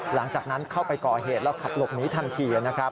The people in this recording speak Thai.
หลังจากนั้นเข้าไปก่อเหตุแล้วขับหลบหนีทันทีนะครับ